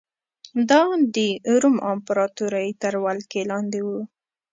دا د روم امپراتورۍ تر ولکې لاندې و